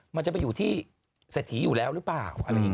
มันจะไปอยู่ที่เศรษฐีอยู่แล้วหรือเปล่าอะไรอย่างนี้